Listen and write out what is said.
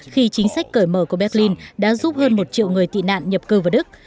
khi chính sách cởi mở của berlin đã giúp hơn một triệu người tị nạn nhập cư vào đức